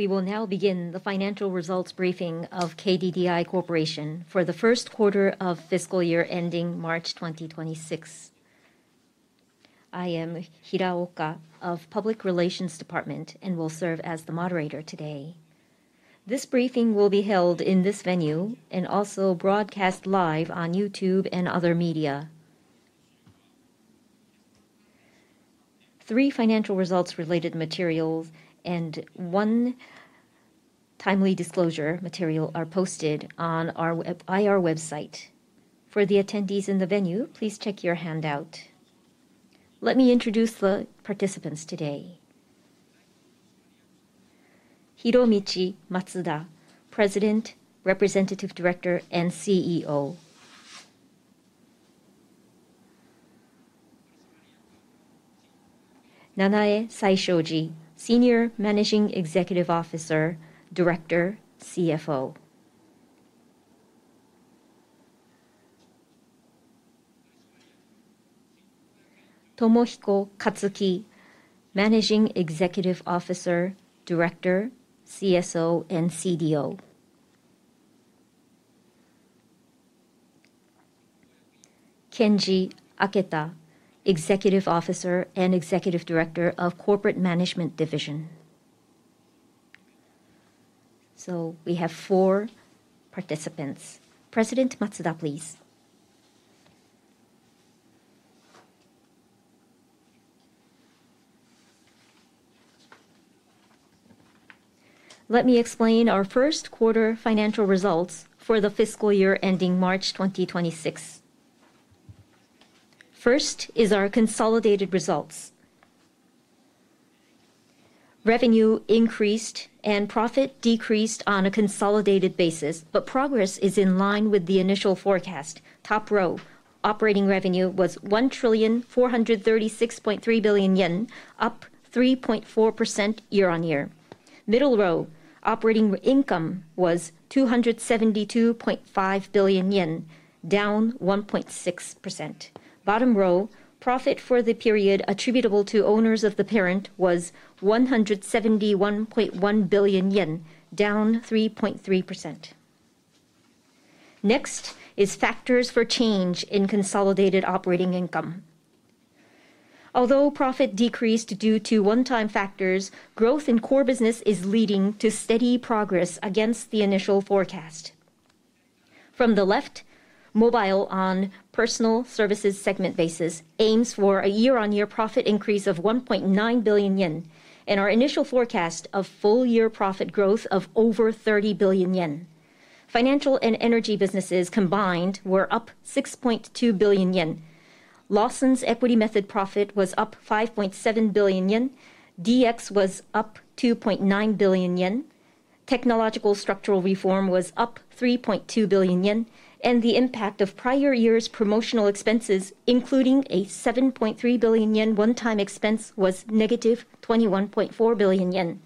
We will now begin the financial results briefing of KDDI Corporation for the first quarter of fiscal year ending March 2026. I am Hiraoka of Public Relations Department and will serve as the moderator today. This briefing will be held in this venue and also broadcast live on YouTube and other media. Three financial results related materials and one timely disclosure material are posted on IR website for the attendees in the venue. Please check your handout. Let me introduce the participants today. Hiromichi Matsuda, President, Representative Director and CEO; Nanae Saishoji, Senior Managing Executive Officer, Director, CFO; Tomohiko Katsuki, Managing Executive Officer, Director, CSO and CDO; Kenji Aketa, Executive Officer and Executive Director of Corporate Management Division. We have four participants. President Matsuda, please let me explain our first quarter financial results for the fiscal year ending March 2026. First is our consolidated results. Revenue increased and profit decreased on a consolidated basis, but progress is in line with the initial forecast. Top row operating revenue was 1,436,300,000,000 yen, up 3.4% year-on-year. Middle row operating income was 272.5 billion yen, down 1.6%. Bottom row profit for the period attributable to owners of the parent was 171.1 billion yen, down 3.3%. Next is factors for change in consolidated operating income. Although profit decreased due to one-time factors, growth in core businesses is leading to steady progress. Against the initial forecast from the left, mobile on personal services segment basis aims for a year-on-year profit increase of 1.9 billion yen and our initial forecast of full year profit growth of over 30 billion yen. Financial and energy businesses combined were up 6.2 billion yen. Lawson's equity method profit was up 5.7 billion yen, DX was up 2.9 billion yen, technological structural reform was up 3.2 billion yen and the impact of prior year's promotional expenses including a 7.3 billion yen one-time expense was minus 21.4 billion yen.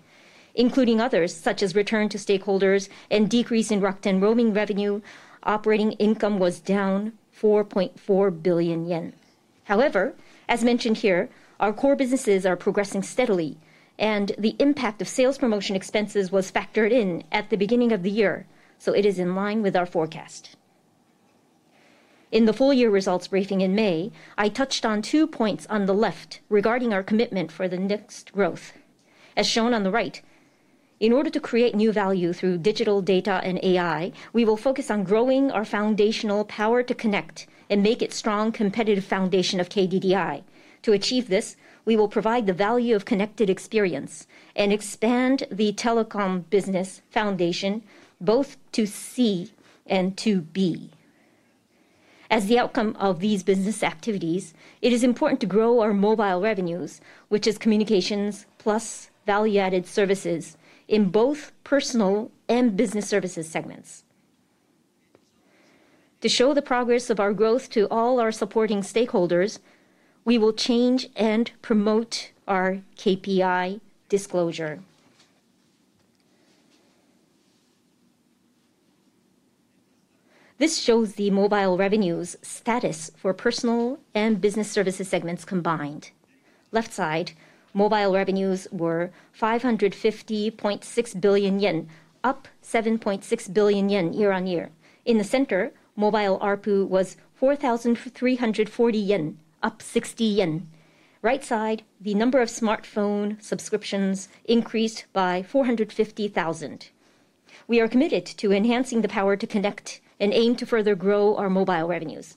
Including others such as return to stakeholders and decrease in Rakuten roaming revenue, operating income was down 4.4 billion yen. However, as mentioned here, our core businesses are progressing steadily and the impact of sales promotion expenses was factored in at the beginning of the year, so it is in line with our forecast. In the full year results briefing in May, I touched on two points on the left regarding our commitment for the next growth as shown on the right. In order to create new value through digital data and AI, we will focus on growing our foundational power to connect and make it strong competitive foundation of KDDI. To achieve this, we will provide the value of connected experience and expand the telecom business foundation both to C and to B. As the outcome of these business activities, it is important to grow our mobile revenues which is communications plus value added services in both personal and business services segments. To show the progress of our growth to all our supporting stakeholders, we will change and promote our KPI disclosure. This shows the mobile revenues status for personal and business services segments combined. Left side, mobile revenues were 550.6 billion yen, up 7.6 billion yen year-on-year. In the center, mobile ARPU was 4,340 yen, up 60 yen. Right side, the number of smartphone subscriptions increased by 450,000. We are committed to enhancing the power to connect and aim to further grow our mobile revenues.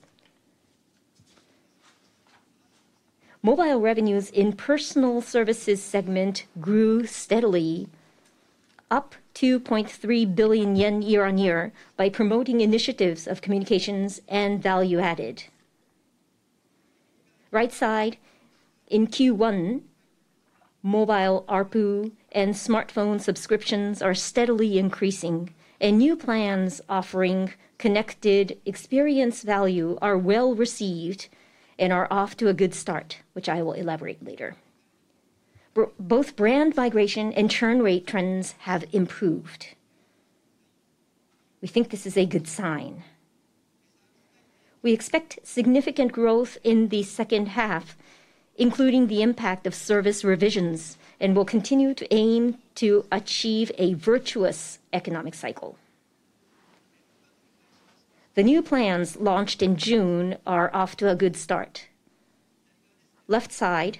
Mobile revenues in personal services segment grew steadily, up 2.3 billion yen year on year by promoting initiatives of communications and value added. Right side, in Q1, mobile ARPU and smartphone subscriptions are steadily increasing and new plans offering connected experience value are well received and are off to a good start which I will elaborate later. Both brand migration and churn rate trends have improved. We think this is a good sign. We expect significant growth in the second half including the impact of service revisions and will continue to aim to achieve a virtuous economic cycle. The new plans launched in June are off to a good start. Left side,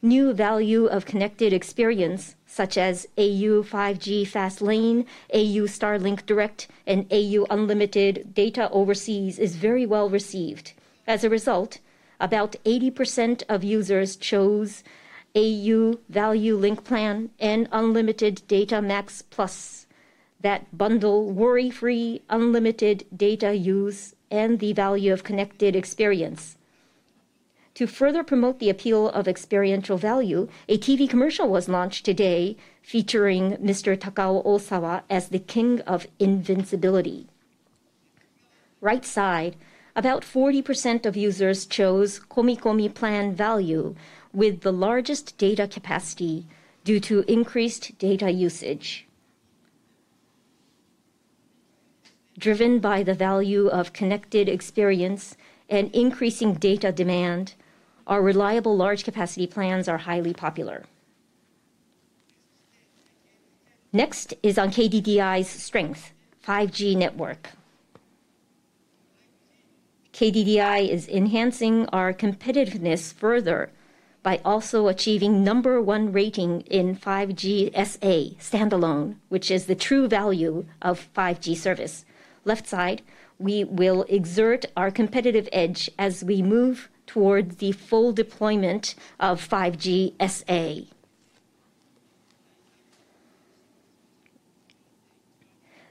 new value of connected experience such as au 5G Fast Lane, au Starlink Direct, and au Unlimited Data Overseas is very well received. As a result, about 80% of users chose au Value Link Plan and Unlimited Data MAX Plus that bundle worry free unlimited data use and the value of connected experience. To further promote the appeal of experiential value, a TV commercial was launched today featuring Mr. Takao Osawa as the king of invincibility. Right side, about 40% of users chose Komi-Komi Plan Value with the largest data capacity. Due to increased data usage driven by the value of connected experience and increasing data demand, our reliable large capacity plans are highly popular. Next is on KDDI's strength 5G network. KDDI is enhancing our competitiveness further by also achieving number one rating in 5G SA standalone, which is the true value of 5G service. Left side, we will exert our competitive edge as we move towards the full deployment of 5G SA.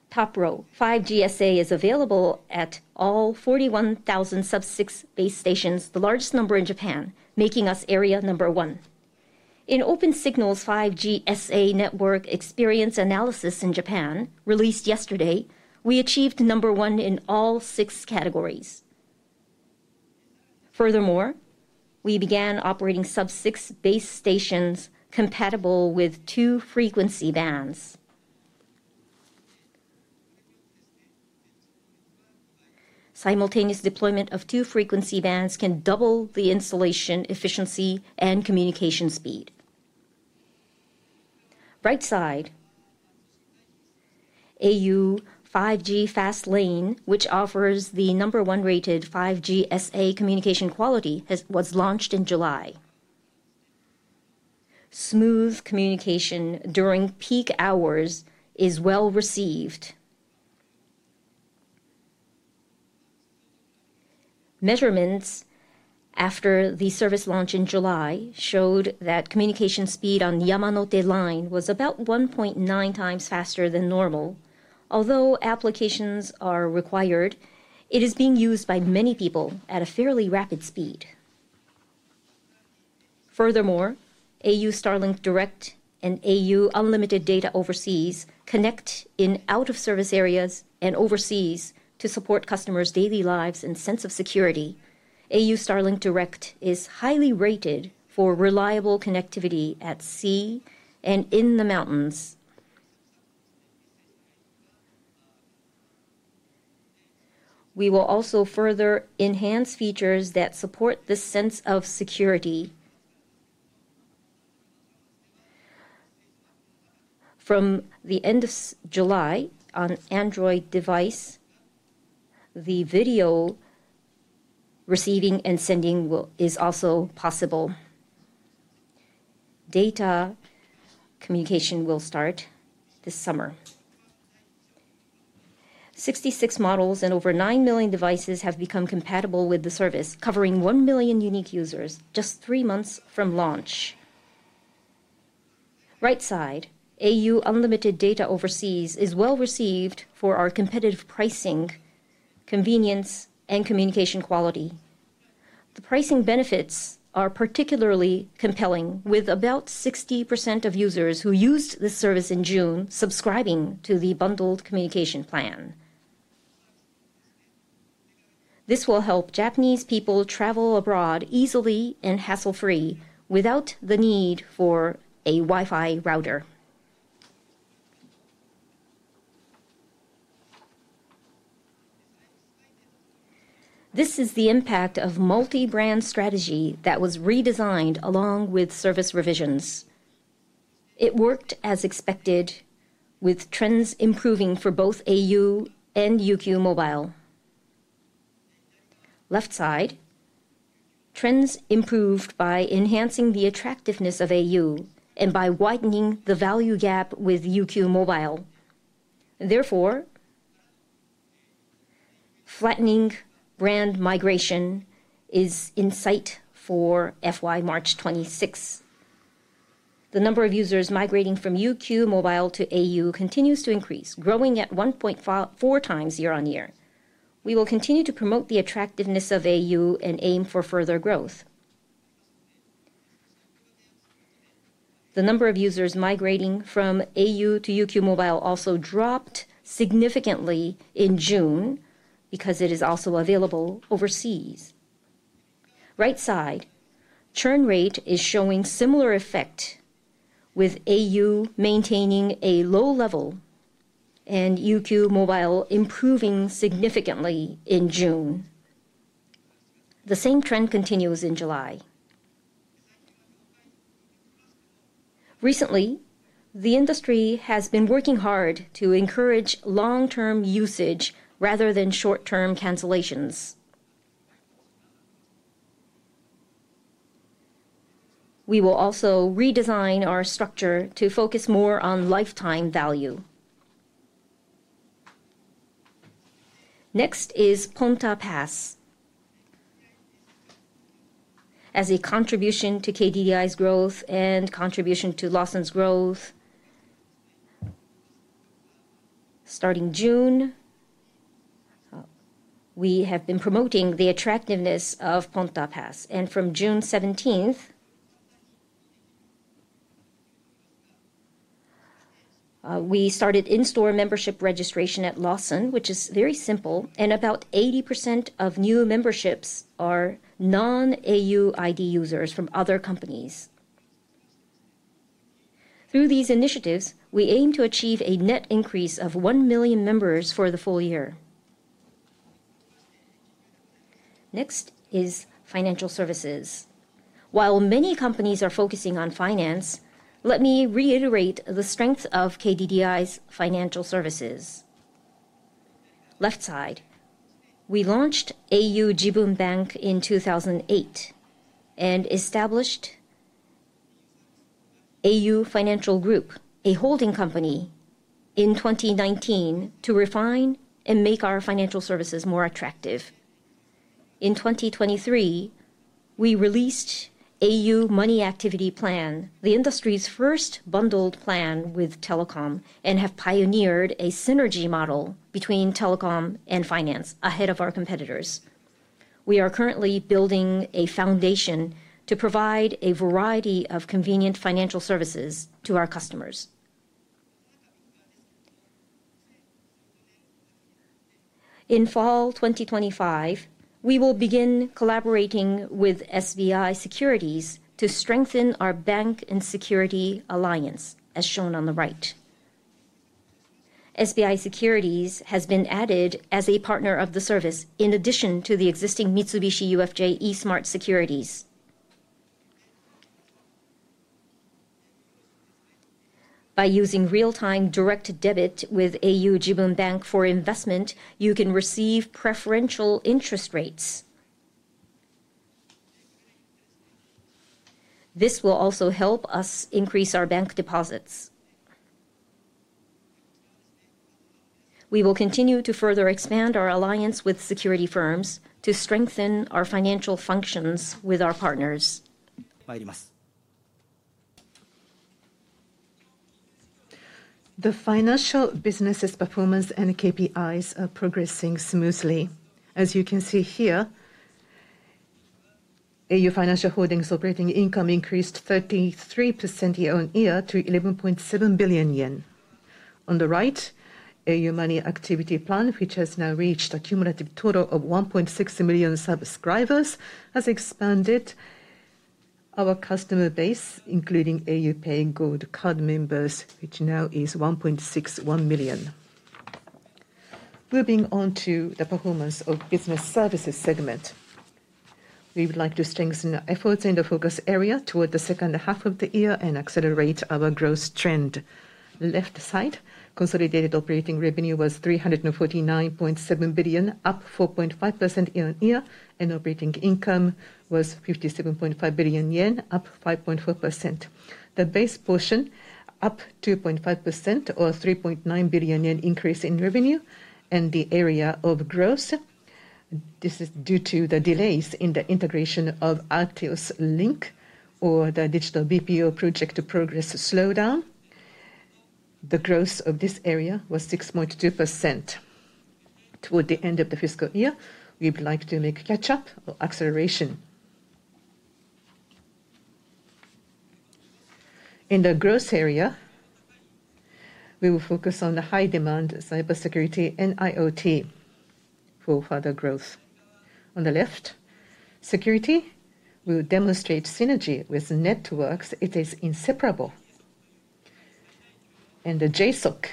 Top row, 5G SA is available at all 41,000 Sub6 base stations, the largest number in Japan, making us area number one in Opensignal's. 5G SA network experience analysis in Japan released yesterday, we achieved number one in all six categories. Furthermore, we began operating Sub6 base stations compatible with two frequency bands. Simultaneous deployment of two frequency bands can double the installation efficiency and communication speed. Right side, au 5G Fastlane, which offers the number one rated 5G SA communication quality, was launched in July. Smooth communication during peak hours is well received. Measurements after the service launch in July showed that communication speed on Yamanote Line was about 1.9 times faster than normal. Although applications are required, it is being used by many people at a fairly rapid speed. Furthermore, au Starlink Direct and au Unlimited Data Overseas connect in out of service areas and overseas to support customers' daily lives and sense of security. au Starlink Direct is highly rated for reliable connectivity at sea and in the mountains. We will also further enhance features that support this sense of security. From the end of July on Android device, the video receiving and sending is also possible. Data communication will start this summer. 66 models and over 9 million devices have become compatible with the service, covering 1 million unique users just three months from launch. Right side, au Unlimited Data Overseas is well received for our competitive pricing, convenience, and communication quality. The pricing benefits are particularly compelling, with about 60% of users who used this service in June subscribing to the bundled communication plan. This will help Japanese people travel abroad easily and hassle free without the need for a Wi-Fi router. This is the impact of multi-brand strategy that was redesigned along with service revisions. It worked as expected with trends improving for both au and UQ Mobile. Left side, trends improved by enhancing the attractiveness of au and by widening the value gap with UQ Mobile. Therefore, flattening brand migration is in sight. For FY March 2026, the number of users migrating from UQ Mobile to au continues to increase, growing at 1.4 times year on year. We will continue to promote the attractiveness of au and aim for further growth. The number of users migrating from au to UQ Mobile also dropped significantly in June because it is also available overseas. Right side, churn rate is showing similar effect with au maintaining a low level and UQ Mobile improving significantly in June. The same trend continues in July. Recently, the industry has been working hard to encourage long term usage rather than short term cancellations. We will also redesign our structure to focus more on lifetime value. Next is Ponta Pass as a contribution to KDDI's growth and contribution to Lawson's growth. Starting June, we have been promoting the attractiveness of Ponta Pass, and from June 17, we started in-store membership registration at Lawson, which is very simple, and about 80% of new memberships are non-au ID users from other companies. Through these initiatives, we aim to achieve a net increase of 1 million members for the full year. Next is financial services. While many companies are focusing on finance, let me reiterate the strength of KDDI's financial services. Left side, we launched au Jibun Bank in 2008 and established au Financial Holdings, a holding company, in 2019 to refine and make our financial services more attractive. In 2023, we released au Money Activity Plan, the industry's first bundled plan with telecom, and have pioneered a synergy model between telecom and finance. Ahead of our competitors, we are currently building a foundation to provide a variety of convenient financial services to our customers. In fall 2025, we will begin collaborating with SBI Securities to strengthen our bank and security alliance. As shown on the right, SBI Securities has been added as a partner of the service in addition to the existing Mitsubishi UFJ eSmart Securities. By using real time direct debit with au Jibun Bank for investment, you can receive preferential interest rates. This will also help us increase our bank deposits. We will continue to further expand our alliance with security firms to strengthen our financial functions with our partners. The financial businesses performance and KPIs are progressing smoothly as you can see here. au Financial Holdings operating income increased 33% year-on-year to 11.7 billion yen. On the right, au Money Activity Plan, which has now reached a cumulative total of 1.6 million subscribers, has expanded our customer base including au PAY Gold card members, which now is 1.61 million. Moving on to the performance of business services segment, we would like to strengthen our efforts in the focus area toward the second half of the year and accelerate our growth trend. Left side, consolidated operating revenue was 349.7 billion, up 4.5% year-on-year, and operating income was 57.5 billion yen, up 5.4%. The base portion up 2.5% or 3.9 billion yen increase in revenue and the area of growth. This is due to the delays in the integration of Altios Link or the Digital BPO project. Progress slowdown, the growth of this area was 6.2% toward the end of the fiscal year. We would like to make catch up or acceleration in the growth area. We will focus on the high demand cybersecurity and IoT for further growth. On the left, security will demonstrate synergy with networks. It is inseparable and the JSOC,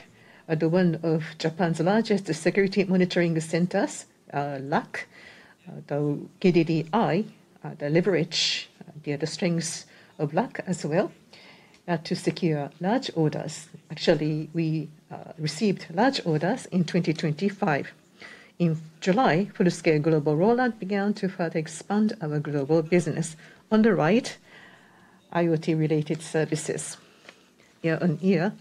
one of Japan's largest security monitoring centers. Like the KDDI, leverage the other strengths of Luck as well to secure large orders. Actually, we received large orders in 2025. In July, full scale global rollout began to further expand our global business. On the right, IoT related services year on year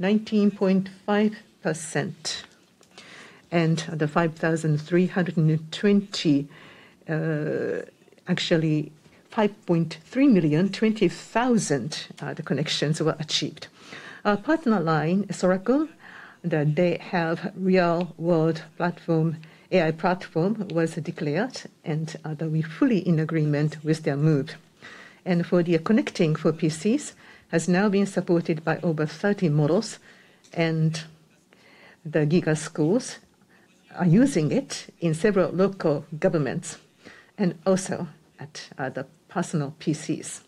19.5% and the 5,320,000, actually 5.32 million, the connections were achieved. Our partner line Soracom, that they have real world AI platform was declared and we fully in agreement with their move and for the connecting for PCs has now been supported by over 30 models and the Giga schools are using it in several local governments and also at the personal PCs.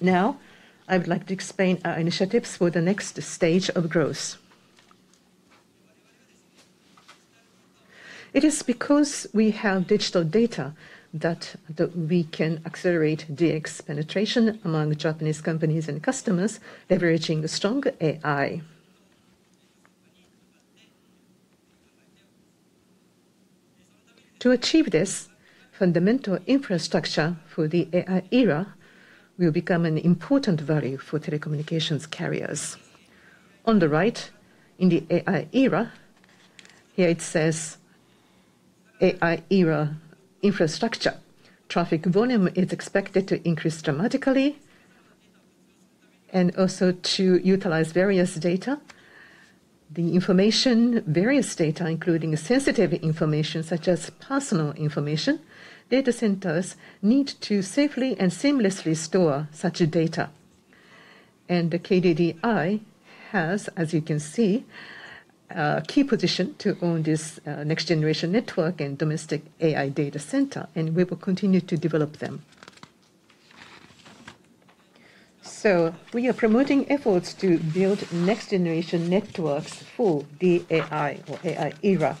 Now I would like to explain our initiatives for the next stage of growth. It is because we have digital data that we can accelerate DX penetration among Japanese companies and customers. Leveraging strong AI to achieve this, fundamental infrastructure for the AI era will become an important value for telecommunications carriers. On the right, in the AI era, here it says AI era infrastructure traffic volume is expected to increase dramatically and also to utilize various data, the information, various data including sensitive information such as personal information. Data centers need to safely and seamlessly store such data and KDDI has, as you can see, a key position to own this next generation network and domestic AI data center, and we will continue to develop. We are promoting efforts to build next generation networks for the AI or AI era.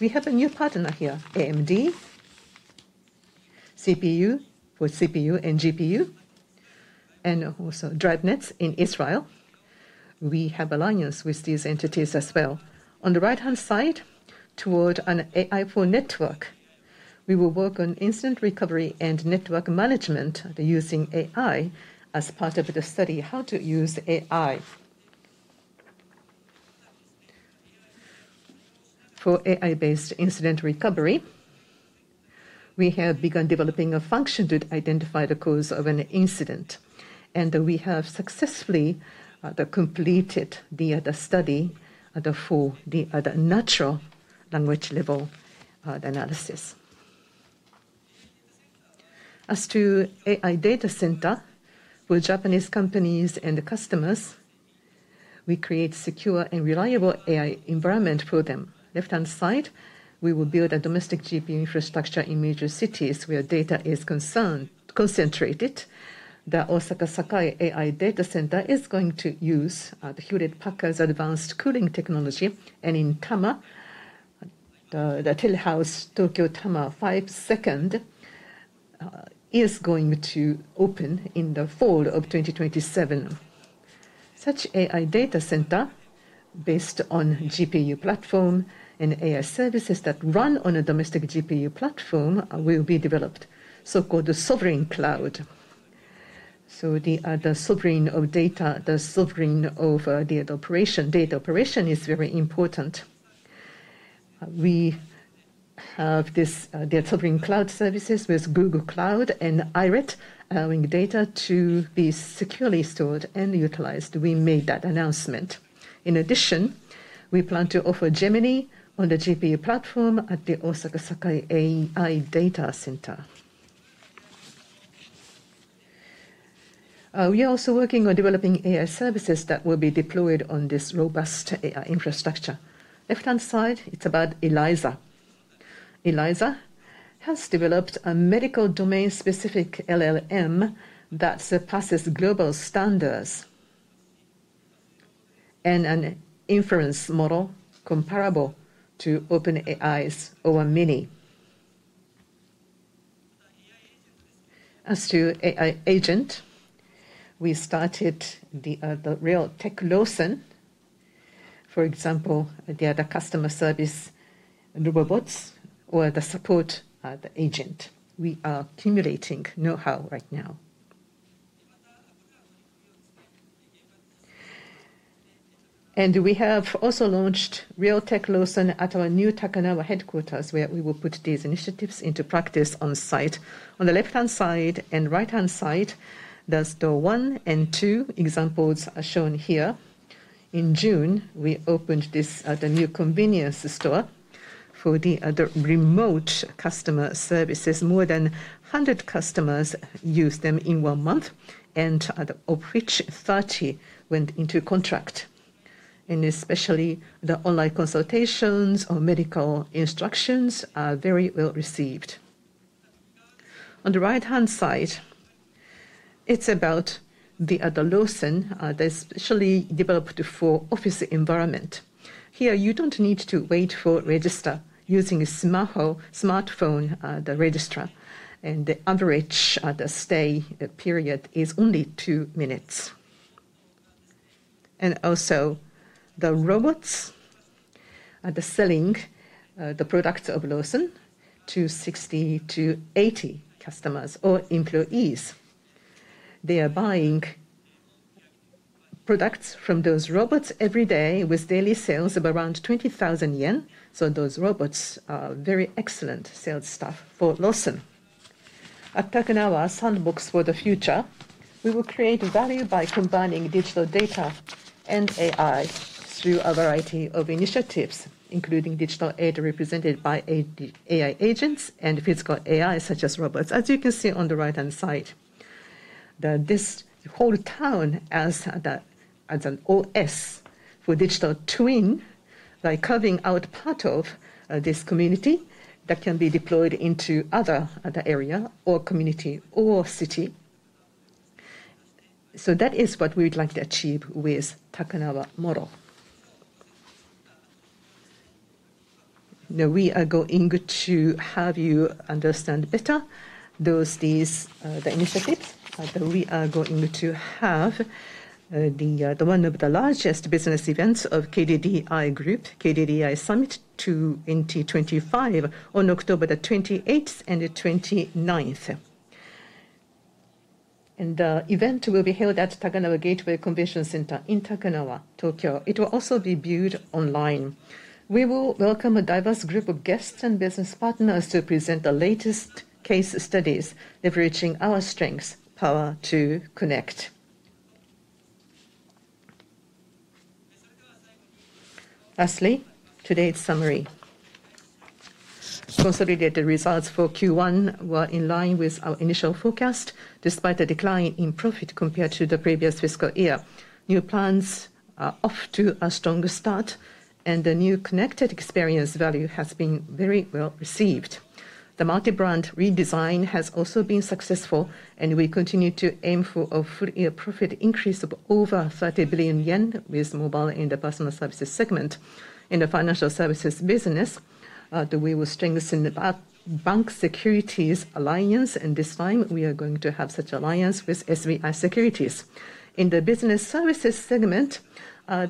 We have a new partner here, AMD for CPU and GPU, and also DriveNets in Israel. We have alliance with these entities as well. On the right hand side, toward an AI pool network, we will work on incident recovery and network management using AI as part of the study on how to use AI for AI-based incident recovery. We have begun developing a function to identify the cause of an incident, and we have successfully completed the study for the natural language level analysis. As to AI data center for Japanese companies and the customers, we create secure and reliable AI environment for them. Left hand side, we will build a domestic GPU infrastructure in major cities where data is concentrated. The Osaka Sakai AI Data Center is going to use Hewlett Packard advanced cooling technology, and in Tama, the Telehouse Tokyo Tama 5 is going to open in the fall of 2027. Such AI data center based on GPU platform and AI services that run on a domestic GPU platform will be developed, so called the sovereign cloud. The other sovereign of data, the sovereign of data operation. Data operation is very important. We have this data in cloud services with Google Cloud and iret, allowing data to be securely stored and utilized. We made that announcement. In addition, we plan to offer Gemini on the GPU platform at the Osaka Sakai AI Data Center. We are also working on developing AI services that will be deployed on this robust infrastructure. Left hand side, it's about ELYZA. ELYZA has developed a medical domain specific LLM that surpasses global standards and an inference model comparable to OpenAI's o1-mini. As to AI agent, we started the Real x Tech Lawson, for example, the other customer service robots or the support agent. We are accumulating know-how right now, and we have also launched Real x Tech Lawson at our new Takanawa headquarters where we will put these initiatives into practice on site. On the left hand side and right hand side, the store one and two examples are shown here. In June, we opened this new convenience store for the remote customer services. More than 100 customers use them in one month, of which 30 went into contract, and especially the online consultations or medical instructions are very well received. On the right-hand side, it's about the adolescent developed for office environment. Here you don't need to wait for register using smartphone, the registrar, and the average stay period is only two minutes. Also, the robots are selling the product of Lawson to 60-80 customers or employees. They are buying products from those robots every day, with daily sales of around 20,000 yen. Those robots are very excellent sales staff for Lawson at Takanawa Sandbox. For the future, we will create value by combining digital data and AI through a variety of initiatives, including digital aid represented by AI agents and physical AI such as robots. As you can see on the right-hand side, this whole town as an OS for digital twin by carving out part of this community that can be deployed into other area or community or city. That is what we would like to achieve with Takanawa model. Now we are going to have you understand better those days the initiatives. We are going to have one of the largest business events of KDDI Group, KDDI Summit 2025, on October 28th and 29th, and the event will be held at Takanawa Gateway Convention Center in Takanawa, Tokyo. It will also be viewed online. We will welcome a diverse group of guests and business partners to present the latest case studies leveraging our strengths. Power to Connect. Lastly, today's summary: Consolidated results for Q1 were in line with our initial forecast. Despite a decline in profit compared to the previous fiscal year, new plans are off to a strong start and the new connected experience value has been very well received. The multi-brand redesign has also been successful, and we continue to aim for a full-year profit increase of over 30 billion yen with mobile in the personal services segment. In the financial services business, we will strengthen the bank securities alliance, and this time we are going to have such alliance with SBI Securities. In the business services segment, our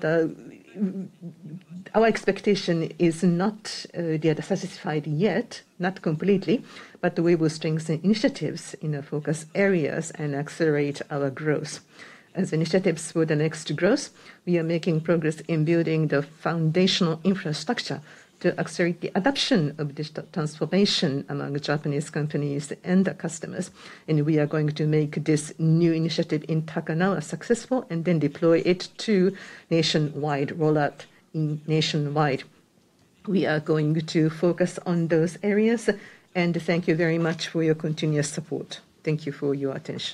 expectation is not yet satisfied yet, not completely, but we will strengthen initiatives in the focus areas and accelerate our growth as initiatives for the next growth. We are making progress in building the foundational infrastructure to accelerate the adoption of digital transformation among Japanese companies and their customers, and we are going to make this new initiative in Takanawa successful and then deploy it to nationwide rollout. We are going to focus on those areas, and thank you very much for your continuous support. Thank you for your attention.